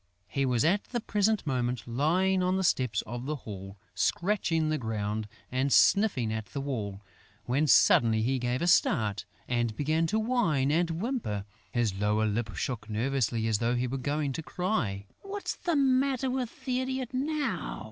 He was at the present moment lying on the steps of the hall, scratching the ground and sniffing at the wall, when suddenly he gave a start and began to whine and whimper! His lower lip shook nervously as though he were going to cry. "What's the matter with the idiot now?"